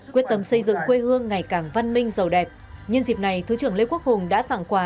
quyết tâm xây dựng quê hương ngày càng văn minh giàu đẹp nhân dịp này thứ trưởng lê quốc hùng đã tặng quà